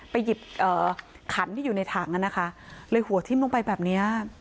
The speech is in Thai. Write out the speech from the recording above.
หยิบขันที่อยู่ในถังอ่ะนะคะเลยหัวทิ้มลงไปแบบเนี้ย